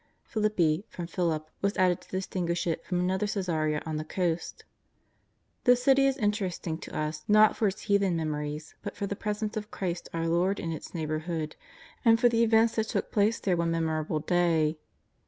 Philippi, from Philip, was added to distinguish it from another Csesarea on the coast. The city is inter esting to us, not for its heathen memories, but for the presence of Christ our Lord in its neighbourhood, and for the events that took place there one memorable day.